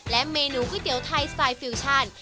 เมนูก๋วยเตี๋ยวไทยสไตล์ฟิวชั่น